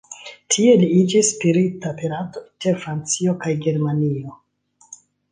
Tie li iĝis spirita peranto inter Francio kaj Germanio.